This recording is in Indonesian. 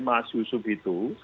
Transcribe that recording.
mas yusuf itu